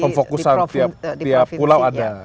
pemfokusan tiap pulau ada